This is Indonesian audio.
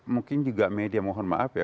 mungkin juga media mohon maaf ya